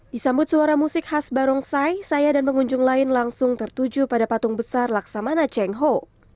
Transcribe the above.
disambut suara musik khas barong sai saya dan pengunjung lain langsung tertuju pada patung besar laksamana cengho